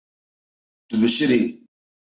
Tu bişirî.